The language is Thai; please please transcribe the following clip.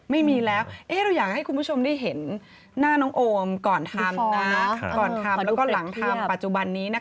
ไม่มีแล้วครับ